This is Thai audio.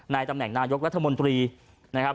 ตำแหน่งนายกรัฐมนตรีนะครับ